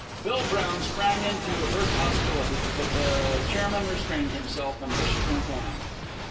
Bill Brown sprang in to avert hostilities, but the chairman restrained himself, and Bishop went on.